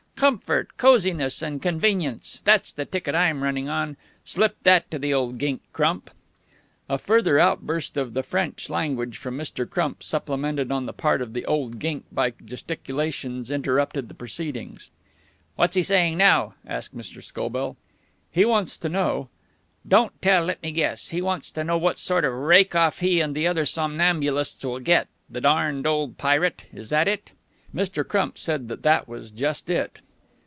Comfort, coziness and convenience. That's the ticket I'm running on. Slip that to the old gink, Crump." A further outburst of the French language from Mr. Crump, supplemented on the part of the "old gink" by gesticulations, interrupted the proceedings. "What's he saying now?" asked Mr. Scobell. "He wants to know " "Don't tell. Let me guess. He wants to know what sort of a rake off he and the other somnambulists will get the darned old pirate! Is that it?" Mr. Crump said that that was just it.